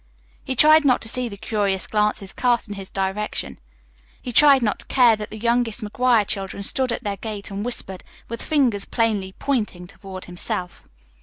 He tried not to see the curious glances cast in his direction. He tried not to care that the youngest McGuire children stood at their gate and whispered, with fingers plainly pointing toward himself.